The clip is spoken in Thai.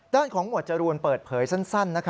ด้านของหมวดจรูนเปิดเผยสั้น